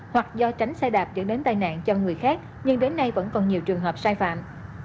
hoặc do tránh xe đạp dẫn đến tai nạn cho người khác nhưng đến nay vẫn còn nhiều trường hợp sai phạm